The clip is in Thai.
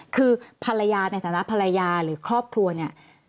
คือภรรยาในฐานะภรรยาหรือครอบครัวเนี่ย